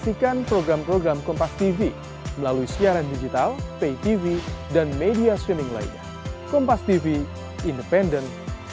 jangan lupa untuk berlangganan